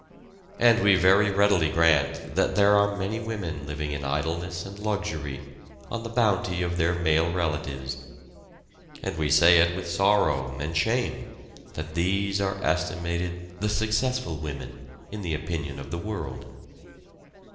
And we very readily grant that there are many women living in idleness and luxury on the bounty of their male relatives, and we say it with sorrow and shame that these are estimated the successful women in the opinion of the world.